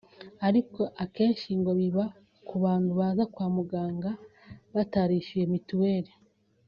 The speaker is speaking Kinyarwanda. ariko akenshi ngo biba ku bantu baza kwa muganga batarishyuye Mitiweri